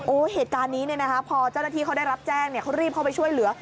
เหตุการณ์นี้เนี่ยนะคะพอเจ้าหน้าที่เขาได้รับแจ้งเขารีบเข้าไปช่วยเหลือ